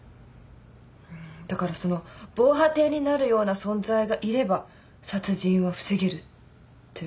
うんだからその防波堤になるような存在がいれば殺人は防げるって。